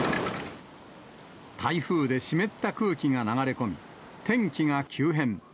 台風で湿った空気が流れ込み、天気が急変。